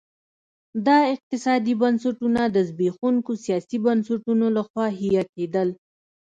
دا اقتصادي بنسټونه د زبېښونکو سیاسي بنسټونو لخوا حیه کېدل.